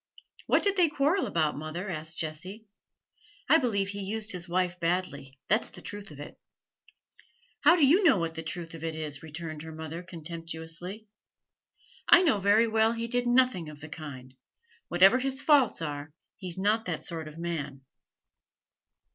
'What did they quarrel about, mother?' asked Jessie. 'I believe he used his wife badly, that's the truth of it.' 'How do you know what the truth of it is?' returned her mother, contemptuously. 'I know very well he did nothing of the kind; whatever his faults are, he's not that sort of man.'